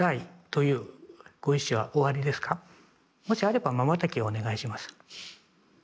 もしあればまばたきをお願いします。